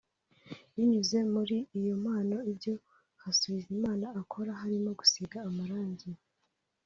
Binyuze muri iyo mpano ibyo Hasubizimana akora harimo gusiga amarangi